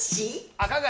赤貝。